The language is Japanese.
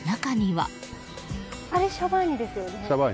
あれシャバーニですよね。